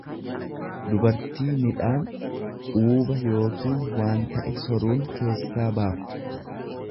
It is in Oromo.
dubartii midhaan uuba Yookiin waan ta'e soruunn keessaa baaftu.